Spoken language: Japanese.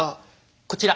こちら。